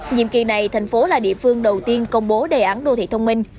nhiệm kỳ này thành phố là địa phương đầu tiên công bố đề án đô thị thông minh